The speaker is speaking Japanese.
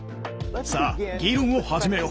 さあ議論を始めよう。